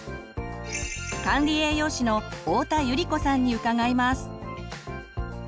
管理栄養士の太田百合子さんに伺います。